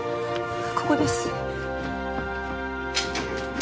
ここです